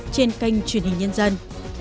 trên kênh truyền hình nhân dân